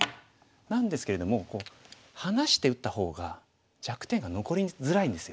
なんですけれども離して打った方が弱点が残りづらいんですよ。